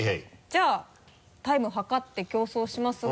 じゃあタイム計って競争しますが。